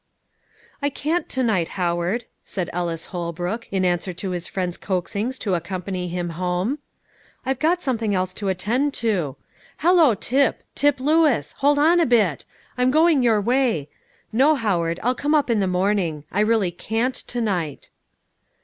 "I can't to night, Howard," said Ellis Holbrook, in answer to his friend's coaxings to accompany him home; "I've got something else to attend to. Hallo, Tip! Tip Lewis! Hold on a bit! I'm going your way. No, Howard, I'll come up in the morning; I really can't to night."